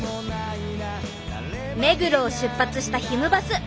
目黒を出発したひむバス。